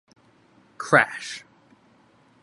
Crash!